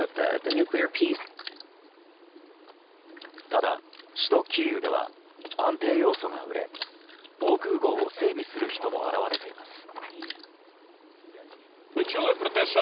ただ、首都キーウでは安定ヨウ素が売れ防空壕を整備する人も現れています。